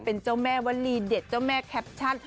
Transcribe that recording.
เป็นเจ้าแม่วลีเด็ดเจ้าแม่แคปชั่น